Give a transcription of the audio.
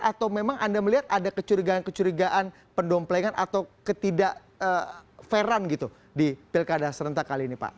atau memang anda melihat ada kecurigaan kecurigaan pendomplengan atau ketidak fairan gitu di pilkada serentak kali ini pak